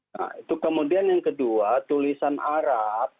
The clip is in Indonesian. nah itu kemudian yang kedua tulisan arab